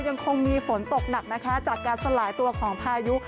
ยังคงมีฝนตกหนักนะคะจากการสลายตัวของพายุ